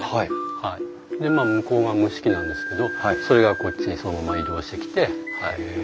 でまあ向こうが蒸し器なんですけどそれがこっちにそのまま移動してきて。